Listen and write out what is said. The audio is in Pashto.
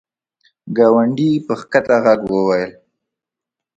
ګاونډي په کښته ږغ وویل !